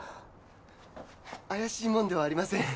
怪しい者ではありません。